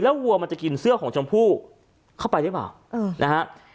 วัวมันจะกินเสื้อของชมพู่เข้าไปหรือเปล่านะฮะ